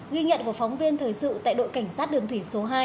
ghi nhận của phóng viên thời sự tại đội cảnh sát đường thủy số hai